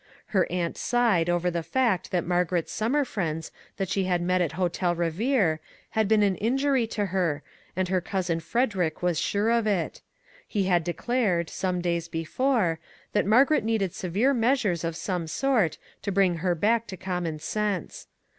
Her aunt sighed over the fact that Margaret's sum mer friends that she had met at Hotel Revere had been an injury to her, and her cousin Fred erick was sure of it ; he had declared, some days 204 WHITE DRESSES before, that Margaret needed severe measures of some sort to bring her back to common sense.